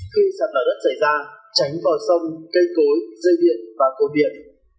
khi sạt lở đất xảy ra tránh vào sông cây cối dây điện và cột điện